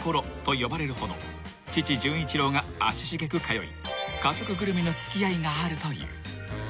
呼ばれるほど父純一郎が足しげく通い家族ぐるみの付き合いがあるという］